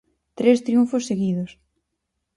Tres triunfos seguidos.